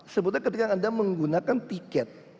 sebutnya ketika anda menggunakan tiket